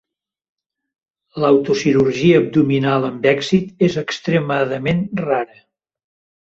L'auto cirurgia abdominal amb èxit és extremadament rara.